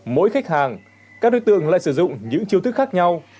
mỗi khách hàng các đối tượng lại sử dụng những chiêu thức khác nhau